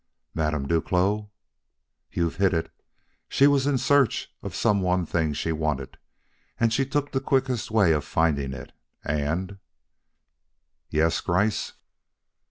"Madame Duclos'!" "You've hit it. She was in search of some one thing she wanted, and she took the quickest way of finding it. And " "Yes, Gryce?"